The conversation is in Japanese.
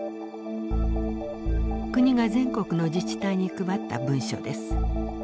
国が全国の自治体に配った文書です。